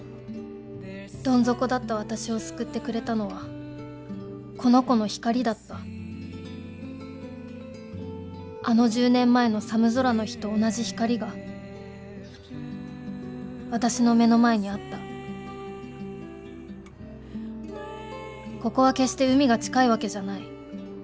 どん底だった私を救ってくれたのはこの子の光だったあの１０年前の寒空の日と同じ光が私の目の前にあったここは決して海が近いわけじゃない。